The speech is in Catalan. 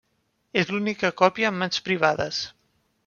És l'única còpia en mans privades.